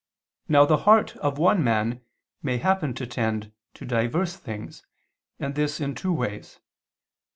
Now the heart of one man may happen to tend to diverse things, and this in two ways.